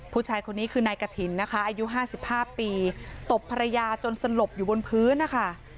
ผู้ชายคนนี้คือนายกฐินนะคะอายุ๕๕ปีตบภรรยาจนสลบอยู่บนพื้นนะคะ